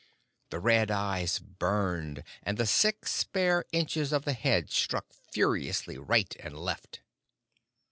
The red eyes burned, and the six spare inches of the head struck furiously right and left.